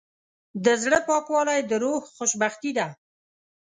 د زړه پاکوالی د روح خوشبختي ده.